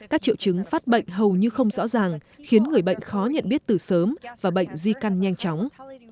các triệu chứng phát bệnh hầu như không rõ ràng khiến người bệnh khó nhận biết từ sớm và bệnh di căn nhanh chóng